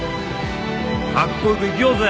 カッコよく生きようぜ！